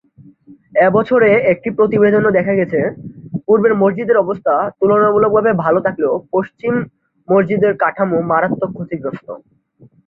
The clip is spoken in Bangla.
সে বছরে একটি প্রতিবেদনে দেখা গেছে পূর্বের মসজিদের অবস্থায় তুলনামূলকভাবে ভাল থাকলেও পশ্চিম মসজিদের কাঠামো মারাত্মক ক্ষতিগ্রস্ত।